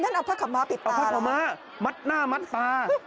นั่นเอาผ้าขาวม้าปิดตาแล้วเอาผ้าขาวม้ามัดหน้ามัดตา